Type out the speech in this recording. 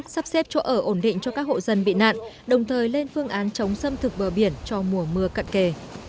sắp xếp chỗ ở ổn định cho các hộ dân bị nạn đồng thời lên phương án chống xâm thực bờ biển cho mùa mưa cận kề